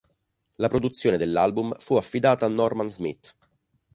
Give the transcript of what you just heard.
La produzione dell'album fu affidata a Norman Smith.